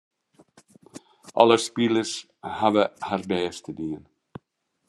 Alle spilers hawwe har bêst dien.